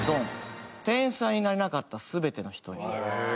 天才になれなかった全ての人へ。